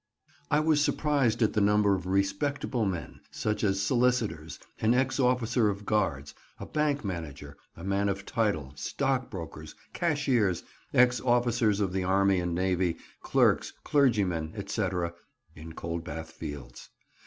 I WAS surprised at the number of respectable men—such as solicitors, an ex officer of Guards, a bank manager, a man of title, stockbrokers, cashiers, ex officers of the army and navy, clerks, clergymen, etc.—in Coldbath Fields.